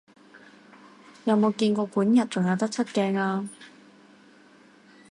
有冇見過管軼仲有得出鏡啊？